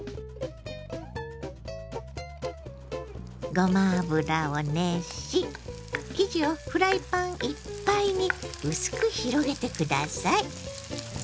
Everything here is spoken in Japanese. ごま油を熱し生地をフライパンいっぱいに薄く広げて下さい。